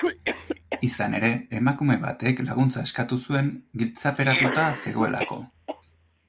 Izan ere, emakume batek laguntza eskatu zuen giltzaperatuta zegoelako.